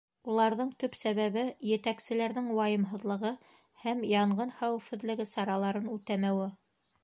Уларҙың төп сәбәбе — етәкселәрҙең вайымһыҙлығы һәм янғын хәүефһеҙлеге сараларын үтәмәүе.